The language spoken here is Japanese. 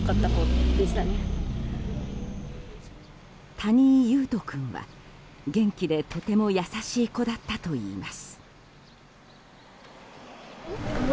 谷井勇斗君は元気で、とても優しい子だったといいます。